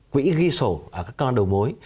quỹ ghi sổ ở các con đầu mối